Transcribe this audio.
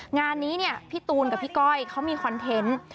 งานนี้เนี่ยพี่ตูนกับพี่ก้อยเขามีคอนเทนต์